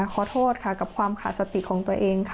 ขอโทษค่ะกับความขาดสติของตัวเองค่ะ